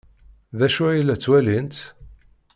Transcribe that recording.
D acu ay la ttwalint?